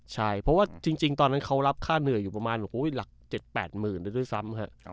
ใช่เพราะว่าจริงตอนนั้นเขารับค่าเหนื่อยอยู่ประมาณหลัก๗๘หมื่นได้ด้วยซ้ำ